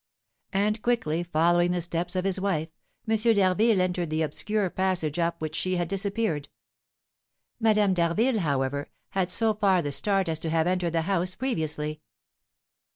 And quickly following the steps of his wife, M. d'Harville entered the obscure passage up which she had disappeared. Madame d'Harville, however, had so far the start as to have entered the house previously.